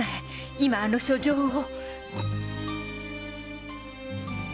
今あの書状を！